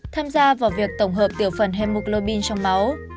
tham gia vào việc tổng hợp tiểu phần hemulobin trong máu